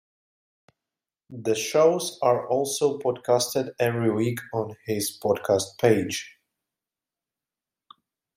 The shows are also podcasted every week on his podcast page.